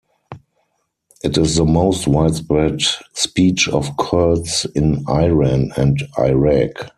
It is the most widespread speech of Kurds in Iran and Iraq.